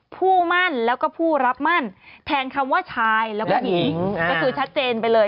ผู้มั่นแล้วก็ผู้รับมั่นแทนคำว่าชายแล้วก็หญิงก็คือชัดเจนไปเลย